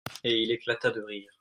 Et il éclata de rire.